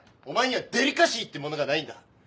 お前にはデリカシーってものがないんだ。